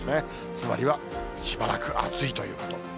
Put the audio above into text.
つまりは、しばらく暑いということ。